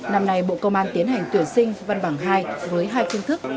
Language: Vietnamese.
năm nay bộ công an tiến hành tuyển sinh văn bằng hai với hai phương thức